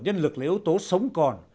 nhân lực lấy ấu tố sống còn